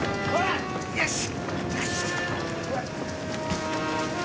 よし！